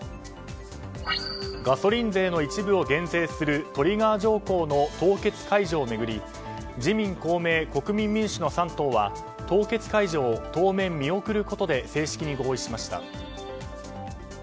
ガソリン税の一部を減税するトリガー条項の凍結解除を巡り自民・公明、国民民主の３党は凍結解除を当面見送ることで正式に合意しました。